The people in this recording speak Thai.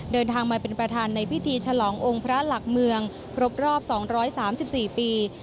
เดินทางมาเป็นประธานในพิธีฉลององค์พระหลักเมืองครบรอบ๒๓๔ปี